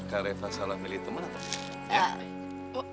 apakah reva salah milih temen atau apa